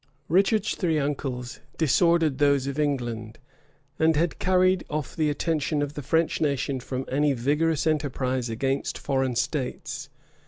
Richard's three uncles, disordered those of England; and had carried off the attention of the French nation from any vigorous enterprise against foreign states.